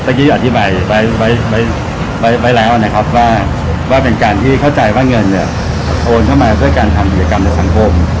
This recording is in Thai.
อธิบายไว้แล้วนะครับว่าเป็นการที่เข้าใจว่าเงินเนี่ยโอนเข้ามาด้วยการทำกิจกรรมในสังคม